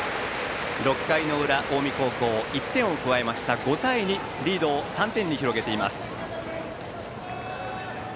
６回の裏、近江高校１点を加えて５対２リードを３点に広げています。